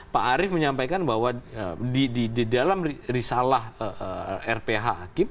pak arief menyampaikan bahwa di dalam risalah rph hakim